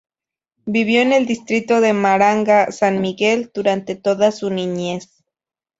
Vivió en el distrito de Maranga, San Miguel, durante toda su niñez.